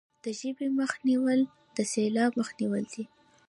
د ژبې مخه نیول د سیلاب مخه نیول دي.